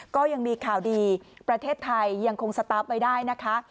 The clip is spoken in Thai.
ก็ยังมีข่าวดีประเทศไทยยังคงสตาร์ฟไว้ได้นะคะ